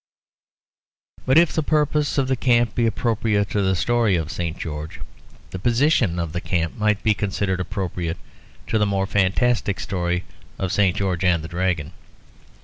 But if the purpose of the camp be appropriate to the story of St. George, the position of the camp might be considered appropriate to the more fantastic story of St. George and the Dragon.